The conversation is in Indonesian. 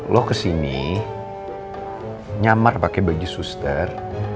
lo kesini nyamar pakai baju suster